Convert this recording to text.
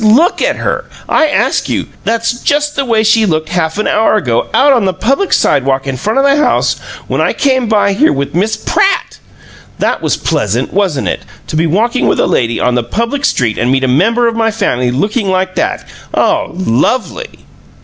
LOOK at her, I ask you! That's just the way she looked half an hour ago, out on the public sidewalk in front of the house, when I came by here with Miss PRATT! That was pleasant, wasn't it? To be walking with a lady on the public street and meet a member of my family looking like that! Oh, LOVELY!"